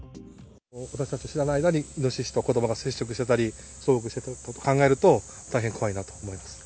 私たちが知らない間に、イノシシと子どもが接触してたり、遭遇してたことを考えると、大変怖いなと思います。